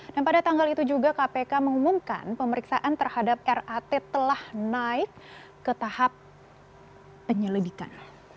dan pada tanggal itu juga kpk mengumumkan pemeriksaan terhadap rat telah naik ke tahap penyelidikan